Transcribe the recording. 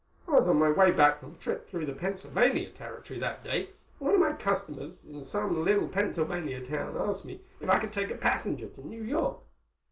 I was on my way back from a trip through the Pennsylvania territory that day, and one of my customers in some little Pennsylvania town asked me if I could take a passenger to New York.